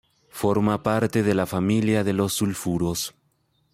Forma parte de la familia de los sulfuros.